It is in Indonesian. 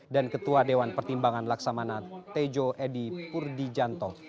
dan ketua dewan pertimbangan laksamana tejo edi purdi janto